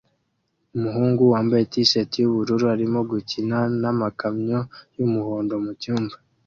Umuhungu wambaye t-shati yubururu arimo gukina namakamyo yumuhondo mucyumba